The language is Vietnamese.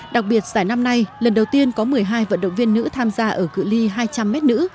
đặc biệt giải năm nay lần đầu tiên có một mươi hai vận động viên nữ tham gia ở cự li hai trăm linh m nữ